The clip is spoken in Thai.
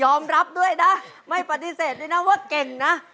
รับด้วยนะไม่ปฏิเสธด้วยนะว่าเก่งนะ